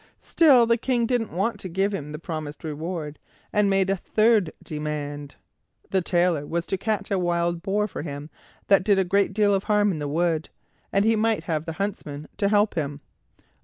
Still the King didn't want to give him the promised reward and made a third demand. The Tailor was to catch a wild boar for him that did a great deal of harm in the wood; and he might have the huntsmen to help him.